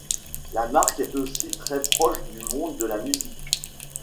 La marque est aussi très proche du monde de la musique.